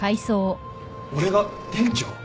俺が店長？